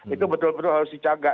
itu betul betul harus dijaga